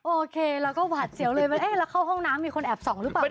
โอเคแล้วก็หวัดเสียวเลยแล้วเข้าห้องน้ำมีคนแอบส่องหรือเปล่านะ